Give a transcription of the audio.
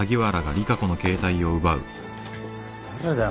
誰だよ？